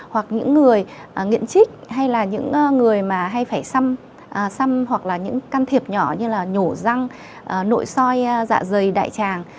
hoặc những người nghiện trích hay là những người mà hay phải xăm xăm hoặc là những can thiệp nhỏ như là nhổ răng nội soi dạ dày đại tràng